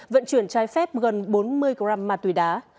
vận chuyển trái phép gần bốn mươi g ma túy đá